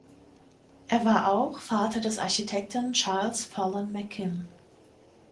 Er war auch Vater des Architekten Charles Follen McKim.